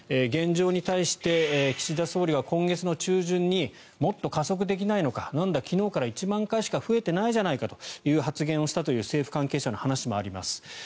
現状に対して岸田総理は今月中旬にもっと加速できないのかなんだ、昨日から１万回しか増えていないじゃないかという発言をしたという政府関係者の話もあります。